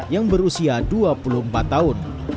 yang berusia dua puluh empat tahun